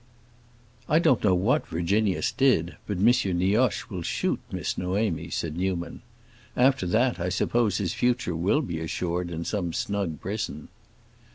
"I don't know what Virginius did, but M. Nioche will shoot Miss Noémie," said Newman. "After that, I suppose his future will be assured in some snug prison."